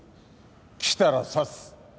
来たら刺す。